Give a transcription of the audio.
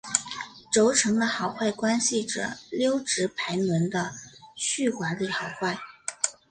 轴承的好坏关系着溜直排轮的续滑力好坏。